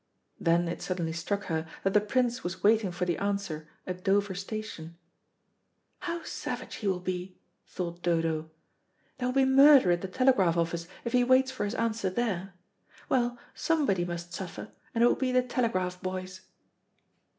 Then it suddenly struck her that the Prince was waiting for the answer at Dover Station. "How savage he will be," thought Dodo. "There will be murder at the telegraph office if he waits for his answer there. Well, somebody must suffer, and it will be the telegraph boys."